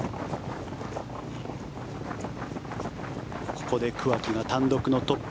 ここで桑木が単独のトップ。